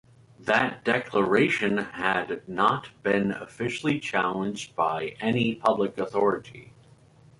That declaration had not been officially challenged by any public authority.